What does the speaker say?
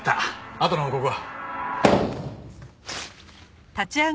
あとの報告は？